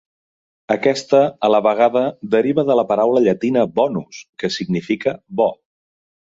Aquesta, a la vegada, deriva de la paraula llatina "bonus", que significa bo.